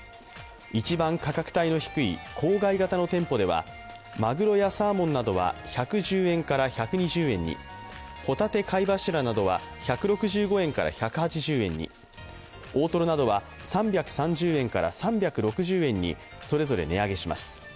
一番価格帯の低い郊外型の店舗ではまぐろやサーモンなどは１１０円から１２０円に、ほたて貝柱などは１６５円から１８０円に、大とろなどは３３０円から３６０円に、それぞれ値上げします。